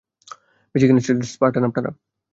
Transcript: Michigan স্টেটের Spartan আপনারা!